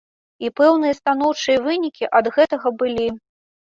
І пэўныя станоўчыя вынікі ад гэтага былі.